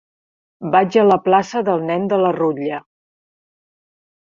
Vaig a la plaça del Nen de la Rutlla.